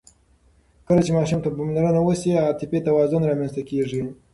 کله چې ماشوم ته پاملرنه وشي، عاطفي توازن رامنځته کېږي.